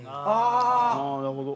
ああなるほど。